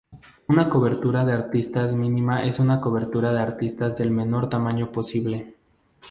Una cobertura de aristas mínima es una cobertura de aristas del menor tamaño posible.